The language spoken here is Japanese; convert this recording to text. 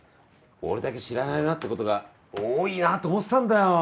俺だけ知らないなってことが多いなって思ってたんだよ。